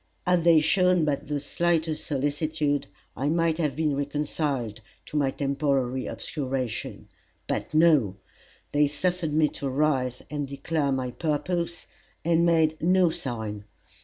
Had they shown but the slightest solicitude, I might have been reconciled to my temporary obscuration. But no! they suffered me to rise and declare my purpose, and made no sign.